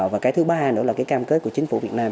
và cái thứ ba nữa là cái cam kết của chính phủ việt nam